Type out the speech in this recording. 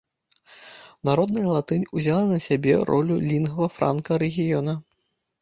Народная латынь узяла на сябе ролю лінгва франка рэгіёна.